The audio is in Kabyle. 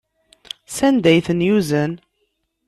Sanda ay ten-yuzen?